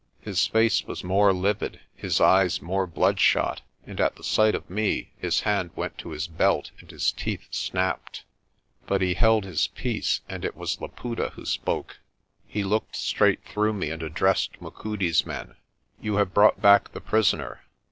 His face was more livid, his eyes more bloodshot, and at the sight of me his hand went to his belt and his teeth snapped. But he held his peace and it was Laputa who spoke. He looked straight through me and addressed Machudi's men. "You have brought back the prisoner.